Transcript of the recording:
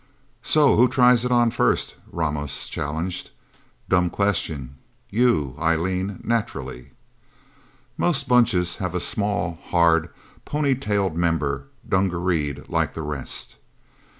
"So who tries it on first?" Ramos challenged. "Dumb question. You, Eileen naturally." Most Bunches have a small, hard, ponytailed member, dungareed like the rest.